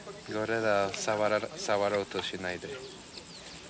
触ろうとしないで。